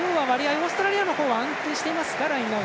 オーストラリアの方は安定していますか？